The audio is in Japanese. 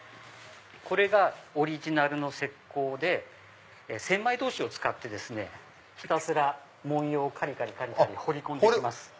これがオリジナルの石こうで千枚通しを使ってひたすら文様をかりかり彫り込んで行きます。